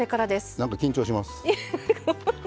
なんか緊張します。